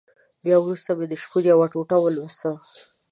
بيا وروسته مې د شپون يوه ټوټه ولوستله.